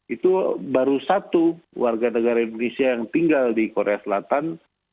itu baru satu warga negara indonesia yang tinggal di korea selatan